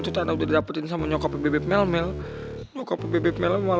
tutana udah dapetin sama nyokap bebek melmel